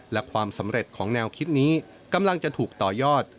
และความสำเร็จของแนวคิดนี้กำลังจะถูกต่อยอด